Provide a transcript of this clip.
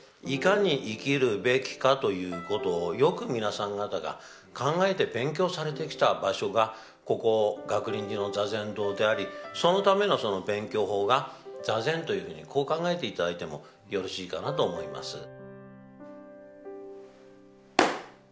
いかに生きるべきかという事をよく皆さん方が考えて勉強されてきた場所がここ嶽林寺の坐禅堂でありそのためのその勉強法が坐禅というふうにこう考えて頂いてもよろしいかなと思います。